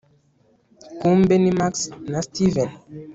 kumbe ni max na steven